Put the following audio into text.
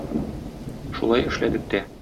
Шулай эшләдек тә.